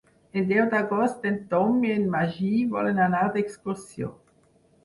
El deu d'agost en Tom i en Magí volen anar d'excursió.